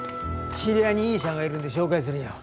知り合いにいい医者がいるんで紹介するよ。